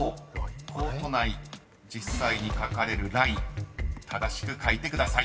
［コート内実際に描かれるライン正しく描いてください］